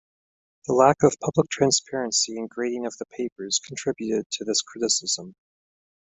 The lack of public transparency in grading of the papers contributed to this criticism.